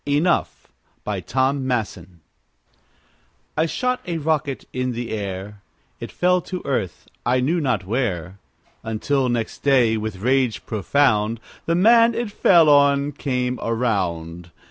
ENOUGH BY TOM MASSON I shot a rocket in the air, It fell to earth, I knew not where Until next day, with rage profound, The man it fell on came around.